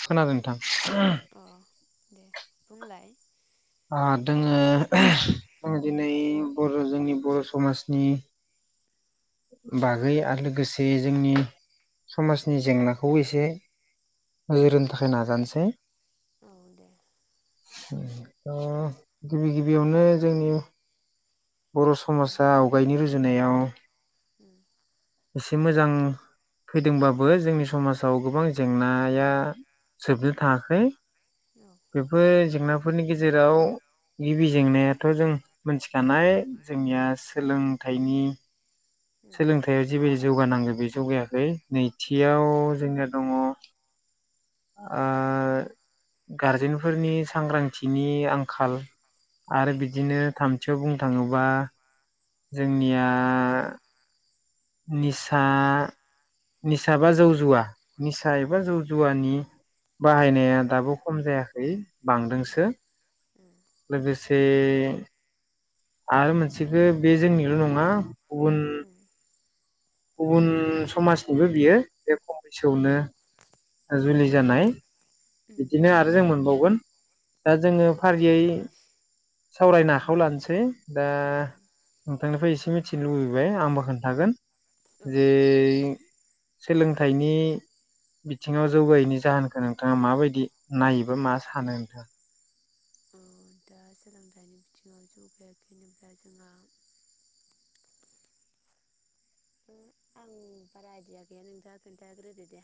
खोनादों नोंथां? अ [unintelligible] दे बुंलाय। आं दोङो आं दिनै बर' जोंनि बर' समाजनि बागै औ आरो लोगोसे जोंनि समाजनि जेंनाखौ एसे नोजोर होनो थाखाय नाजानोसै। औ दे दा गिबि गिबियावनो जोंनि बर' उम समाजा आवगायनि रुजु जुनायाव [inaudible] एसे मोजां फैदोंबाबो जोंनि समाजाव गोबां जेंनाया जोबनो थाङाखै औ बेफोर जेंना बेफोरनि गेजेराव गिबि जेंनायाथ' जों मोनथिखानाय जोंनिया सोलोंथाइनि उम सोलोंथायाव जिबाय जौगानांगौ बे जौगायाखै नैथियाव जोंनिया दङ आ गारजेनफोरनि सांग्रांथिनि आंखाल औ आरो औ बिदिनो थामथियाव बुं थाङोबा उम जोंनिया निसा निसाबा जौ जुवा निसा उम एबा जौ जुवानि बाहायनाया दाबो खम जायाखै औ बांदोंसो उम लोगोसे बे आरो मोनसेखौ बे जोंनिल' नङा उन उम गुबुन समाजनिबो बियो बे खम बैसोआवनो जुलि जानाय बिदिनो आरो जों मोनबावो [unintelligible] दा जोङो औ फारियै सावरायनो आखायाव लानोसै दा औ औ नोंथांनिफ्राय एसे मिथिनो लुबैबाय आंबो खोन्थागोन जे सोलोंथाइनि बिथिङाव जौगायैनि जाहोनखौ नोंथाङा माबायदि नायोबा मा सानो नोंथाङा दा सोलोंथाइनि बिथिङाव जौगायाखै होनोब्ला जोंहा आं बारा आयदिया गैया नोंथाङा खिन्थाग्रोदो दे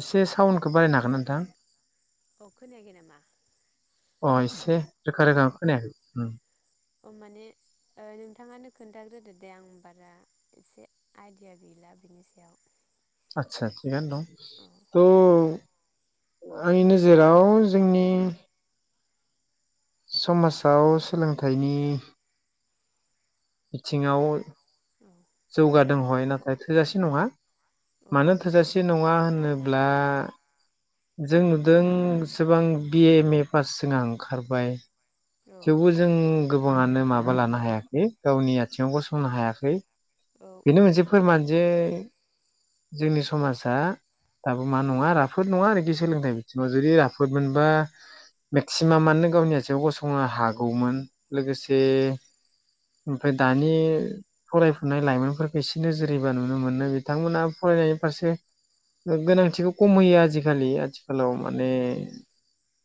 एसे साउन्डखौ बारायनो हागोन नोंथां अखोनायाखै नामा दे रोखा रोखा खोनायाखै अ माने नोंथाङानो खोन्थाग्रोदो दे आं बारा एसे आयदिया गैला बिनि सायाव आतसा थिखगानो औ दं त आंनि नोजोराव जोंनि समाजाव सोलोंथाइनि बिथिङाव औ जौगा दोंहय नाथाय थोजासे नङा। औ मानो थोजासे नङा होनो अब्ला जों नुदों एसेबां बि-ए एम-ए पास जहा ओंखारबाय। औ थेवबो जों गोबांङानो माबा लानो हायाखै। गावनि आथिङाव गसंनो हायाखै। औ बेनो मोनसे फोरमान जे जोंनि समाजा। दाबो मा नङा राफोद नङा [unintelligible] सोलोंथाइ बिथिङाव जुदि राफोद मोनबा मेक्सिमामानो गावनि आथिआव गसंनो हागौमोन। लोगोसे ओमफ्राय दानि फरायफुनाय लाइमोनफोरखौ एसे नोजोरैबा नुनो मोनो बिथांमोना फरायनायनि फारसे गोनांथिखौ खम होयो आजिखालि। हेलौ माने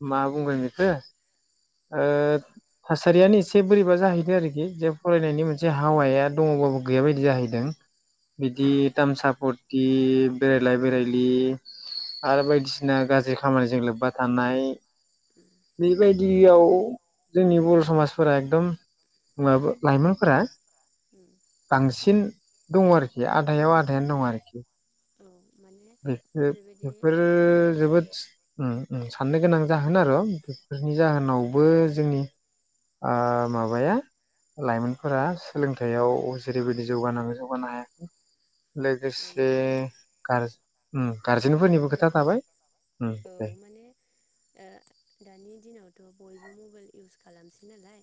मा बुंगोन बेखौ ओ थासारियानो एसे बोरैबा जाहैदों आरोखि। जे फरायनायनि मोनसे औ हावाया दङबाबो। गैया बायदि जाहैदों बिदि दाम सपत बेरायलाय बेरायलि आरो बायदिसिना गाज्रि खामानिजों लोब्बा थानाय उम बेबायदियाव जोंनि बर' समाजफोरा एकदम। [unintelligible] लाइमोनफोरा। उम बांसि सिन दंङ आरोखि आधायाव आधायानो दं आरोखि। औ। माने बे ओरैबायदि बेफोरो आंनि जोबोद उम उम। साननो गोनां औ जाहोन आरो। बेफोरनि जाहोनावबो जोंनि ओ माबाया लाइमोनफोरा सोलोंथायाव जेरैबायदि जौगानांगौ जौगानो हायाखै। औ लोगोसे माने गाज उम। गारजेनफोरनिबो माने खोथा थाबाय औ [unintelligible] जोंनावथ' बयबो मबाइल इउस खालामसै नालाय।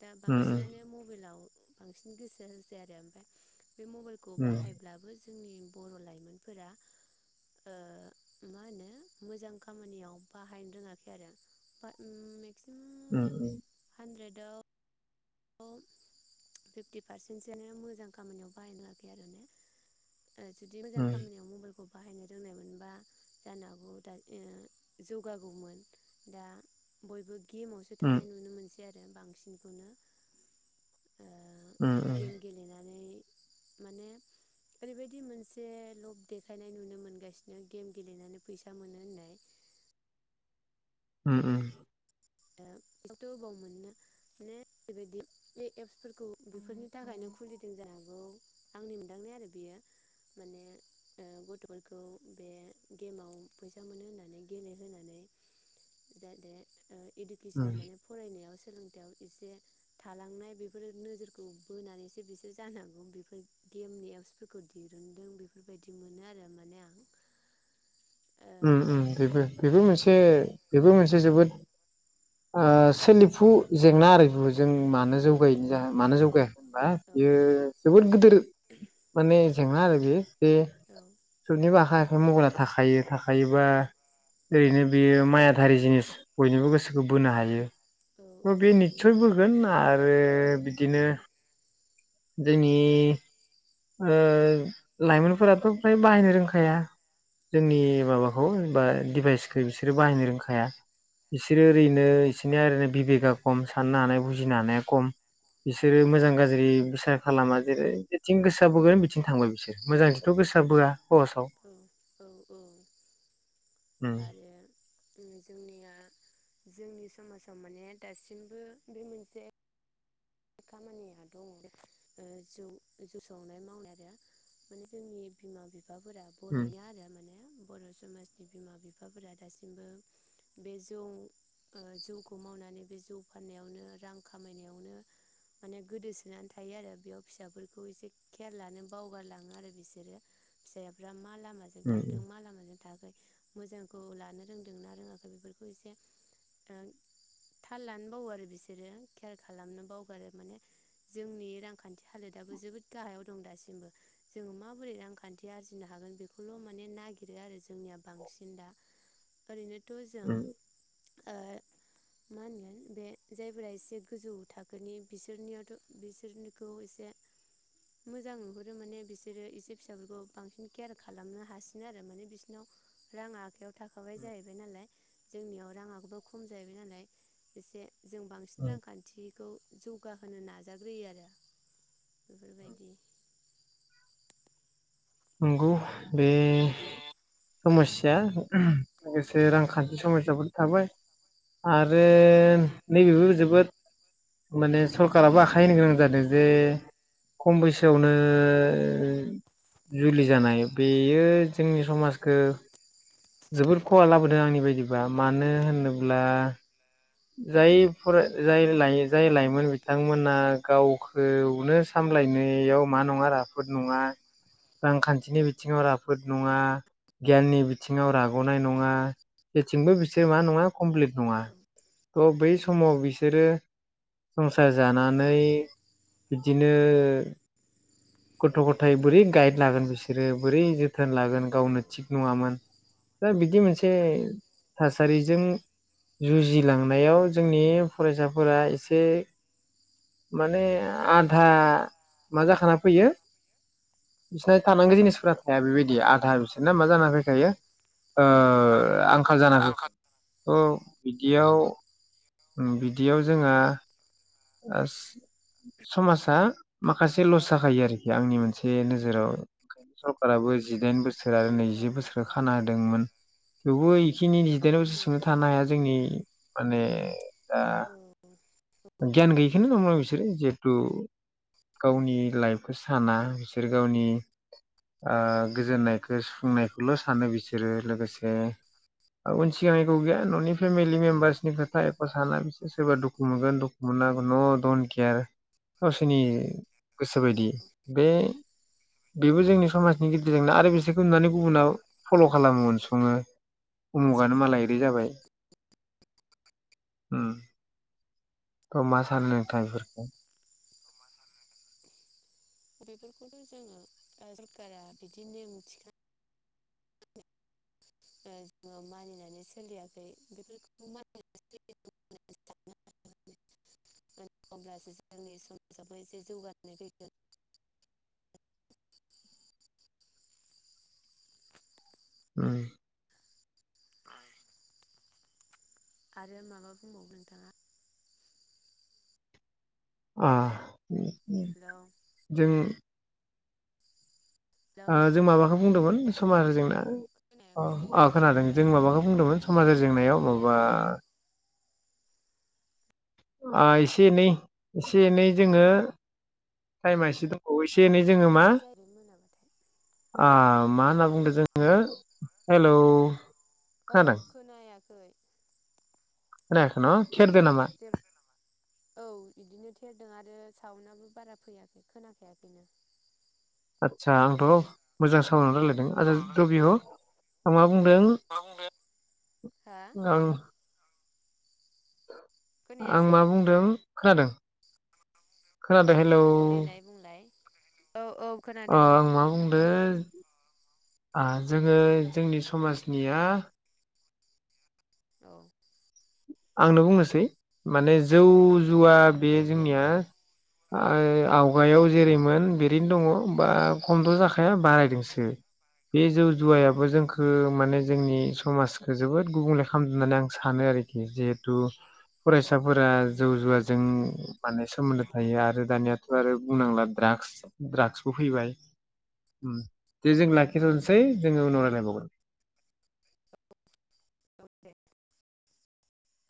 दा उम बांसिनानो उम मबाइलाव। बांसिन गोसो होसै आरो ओमफाय। बे मबाइलखौ बाहायब्लाबो जोंनि बर' लाइमोनफोरा ओ मा होनो मोजां खामानियाव बाहायनो रोङाखै आरो बा उम मेक्सिम उम उम हानद्रेड आव फिफ्टि पारसेन्टसोयानो मोजां खामानियाव बाहायनो रोंङाखै आरो ने ओ जुदि मोजां उम खामानियाव मबेइलखौ बाहायनो रोंनायमोनबा जानो हागौ दा ओ जौगागौमोन दा बयबो गेमावसो उम थानाय नुनो मोनसै बे आरो बांसिनखौनो उम ओ गेम गेलेनानै माने ओरैबायदि मोनसे लब देखायनाय नुनो मोनगासिनो गेम गेलेनानै फैसा मोनो होननाय ओम ओम ओ बिसोरथ' अबाव मोननो ने बेबायदि बे एप्सफोरखौ बेफोरनि थाखायनो खुलिदों जानो हागौ आंनि मोनदांनाय आरो बेयो माने ओ गथ'फोरखौ बे गेमाव फैसा मोनो होननानै गेलेहोनानै जाहाथे ओ इडुकेसनाव माने फरायनायाव सो सोलोंथायाव एसे थालांनाय बेफोर नोजोरखौ बोनानैसो बिसोर जानांगौ बेफोर गेमनि एपसफोरखौ दिरुनदों बेफोरबायदि मोनो आरो माने आं ओम ओ ओम बेबो बेबो मोनसे औ बेबो मोनसे जोबोद ओ सोलिफु जेंना आरो बेबो जों मानो जौगायि जाहो मानो जौगायाखै होनबा औ बियो जोबोद गिदोर माने जेंना आरो बियो बे सुनि बाहा बे मबाइला थाखायो थाख हायोबा औ ओरैनो बेयो मायाधारि जिनिस बयनिबो गोसोखौ बोनो हायो। औ ओम औ बे हायो निस्सय बोगोन आ रो बिदिनो उम जोंनि ओ लाइमोनफोराथ' फ्राय बाहायनो रोंखाया औ जोंनि माबाखौ होनबा डिभाइसखौ बिसोरो बाहायनो रोंखाया बिसोरो औ ओरैनो इसोरनिया आरैनो बिबेका खम साननो हानाय बुजिनो हानाया खम बिसोरो मोजां गाज्रि बिसार खालामा जेरै थिं गोसोया बोगोन बिथिं थांबाय बिसोरो मोजांंथिंथ' गोसोया बोया खहसआव ओम औ औ औ ओम जोंनिया जोंनि समाजाव माने दासिमबो बे मोनसे खामानिया दंङ ओ जौ जौ सौनाय मावनाय आरो माने जोंनि बिमा बिफ फाफोरा उम बर'नि आरो माने बर' समाजनि बिमा बिफाफोरा दासिमबो बे जौ ओ जौखौ मावनानै बे जौ फाननायावनो रां खामायनायावनो माने गोदोसोनानै थायो आरो बेयाव फिसाफोरखौ एसे केयार लानो बावगारलाङो आरो बिसोरो फिसाफ्रा मा ला माजों थांदों उम मा लामाजों मोजांखौ लानो रोंदोंना रोङाखै बेफोरखौ एसे थाल लानोबावो आरो बिसोरो केयार खालामनोबाव माने जोंनि रांखान्थि हालोदाबबो जोबोद गाहायाव दं दासिमबो जोङो माबोरै रांखान्थि आरजिनो हागोन बेखौल' माने नागिरो आरो जोंनिया बांसिन दा ओरैनो गोजों उम ओ मा होनगोन बे जायफोरा एसे गोजौ थाख नि बिसोरनियावथ' बिसोरनिखौ एसे मोजां नुहुरो माने बिसोरो एसे फिसाफोरखौ बांसिन केयार खालामनो हासिनो आरो माने बिसोरनियाव राङा बेयाव थाखाबाय जाहैबाय नालाय जोंनियाव राङाखौबो खम जाहैबाय नालाय एसे जों बांसिन उम रांखान्थि खौ जौगाहोनो नाजाग्रोयो आरो बेफोरबायदि नोंगौ बे समस्या उम लोगोसे रांखान्थि समसाबो थाबाय आरो नैबेबो जोबोद माने सरकाराबो आखाय होनो गोनां जादों जे खम बैसोआवनो जुलि जानाय बेयो जोंनि समाजखौ जोबोर खहा लाबोदों आंनि बायदिबा मानो होनोब्ला जाय फराय जाय जाय लाइमोन बिथांमोना गावखौनो सामलायनायाव मा नङा राफोद नङा रांखान्थिनि बिथिङाव राफोद नङा गियाननि बिथिङाव राग'नाय नङा बेथिंबो बिसोर मा नङा कमप्लिट नङा थ' बै समाव बिसोरो संसार जानानै बिदिनो गथ' गथायाइ बोरै गाइड लागोन बिसोरो बोरै जोथोन लागोन उम औ गावनो थिग नङामोन दा बिदि औ मोनसे औ सास सारिजों जुजिलांनायाव जोंनि फरायसाफोरा एसे माने उम आधा माजा खाना फैयो बिसोरना थानांगौ मा जिनिसफोरा थाया बेबायदि आधा बिसोर ना मा जाना फैखायो ओ औ आंखाल जाना हो ह बिदियाव बिदियाव जोंहा ओस समाजा माखासे लस जाखायो आरोखि आंनि मोनसे नोजोराव ओंखायनो सरकाबो जिदाइन बोसोर बोसोर आरो औ नैजि जायो बोसोरखौ औ खाना होदोंमोन औ [unintelligible] [unintelligible] थानो हाया जोंनि मानि दा औ गियान हाया गैयिखौनो नङा बिसोरो जिहेथु गावनि लाइफखौ साना बिसोर गावनि ओ गोजोननायखौ सुफुंनायखौल' सानो बिसोरो लोगोसे उन सिगांखौ गैया न'नि फेमिलि मेम्बार्सनि खोथा एखा साना बिसोर सोरबा दुखु मोनगोन दं [unintelligible] केयार गावसोरनि गोसो औ बायदि बे बेबो जोंनि औ समाजनि गेजेरजोंनो आरो बिसोरखौ नुनानै गुबुना फल' खालामो उनसङो उमुगानो मालाय इदि जाबाय थ' मा सानो नोंथां बेफोरखौथ' जोंनि सरकारा बिदि नेम थिखा ओ जोङो मानिनानै सोलियाखै बेफोरखौ होमब्लासो जोंनि समाजाबो एसे जौगानाय फैगोन। ओम आरो माबा बुंबावो नोंथाङा आ हेलौ जों हेलौ ओ जों माबाखौ बुंदोंमोन समाजारि जेंना अ खोनायाखिसैना अ खोनादों जों माबाखौ बुंदोंमोन समाजारि आं जेंनायाव जेबो माबा खोनायासै एसे एनै एसे एनै जोङो टाइमा एसे दंबावो ए बिदिनो जायो मोनाम ओ मा होनना बुंदों जोङो हेलौ खोनादों औ खोनायाखै खोनायाखै न' थेरदो नामा औ बिदिनो थेरदों आरो साउनाबो बारा फैयाखै खोनाखायाखैनो आदसा आंथ' मोजां सामोन रायलाय दों आरो थ' बियाव आं मा बुंदों हा आं खोनायासै मा बुंदों खोनादों खोनादों हेलौ औ देलाय बुंलाय औ औ अ खोनादों दे आं मा बुं आरो जोङो जोंनि समाजनिया औ आंनो बुंनोसै माने जौ जुवा बे औ दे जोंनिया ओ आवगायाव जेरैमोन बेरैनो दङा बा खमथ' जाखाया बारायदोंसो। बे जौ औ जुवायाबो जोंखौ माने जोंनि समाजखो जोबोद गुबुंले खालामदों होननानै आं सानो आरो खि जिहेतु फरायसा फोरा औ जौ नंगौ जुवाजों औ माने सोमोन्दो थायो आरो दानिया आरो बुंनांला द्राग्स ड्राग्सबो फैबाय दे जों लाखिथनोसै जोङो उनाव रायलायबावगोन। [inaudible]